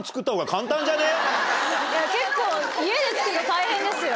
結構家で作るの大変ですよ。